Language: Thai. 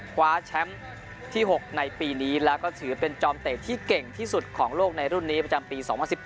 คว้าแชมป์ที่๖ในปีนี้แล้วก็ถือเป็นจอมเตะที่เก่งที่สุดของโลกในรุ่นนี้ประจำปี๒๐๑๖